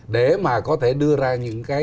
để mà có thể đưa ra những cái